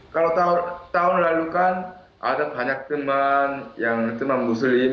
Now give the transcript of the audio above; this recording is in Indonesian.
kalau tahun lalu kan ada banyak teman yang teman muslim